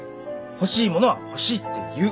欲しいものは欲しいって言う。